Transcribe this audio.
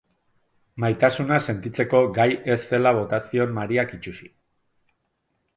Maitasuna sentitzeko gai ez zela bota zion Mariak itsusi.